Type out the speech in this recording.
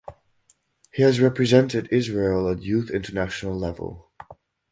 He has represented Israel at youth international level.